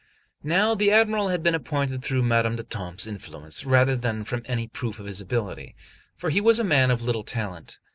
Now the Admiral had been appointed through Madame d'Etampes' influence rather than from any proof of his ability, for he was a man of little talent.